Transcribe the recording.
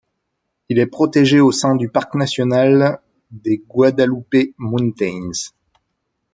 Il est protégé au sein du parc national des Guadalupe Mountains.